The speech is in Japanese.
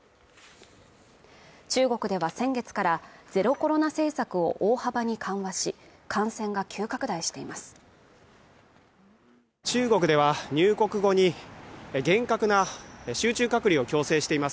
中国では先月からゼロコロナ政策を大幅に緩和し感染が急拡大しています